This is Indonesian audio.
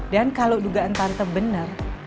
dan kalau dugaan tante bener